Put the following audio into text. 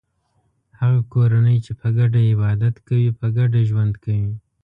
هغه کورنۍ چې په ګډه عبادت کوي په ګډه ژوند کوي.